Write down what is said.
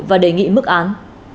và đề nghị mức án